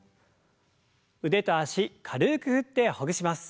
腕と脚軽く振ってほぐします。